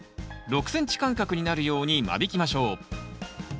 ６ｃｍ間隔になるように間引きましょう。